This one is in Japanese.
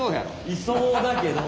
いそうだけど。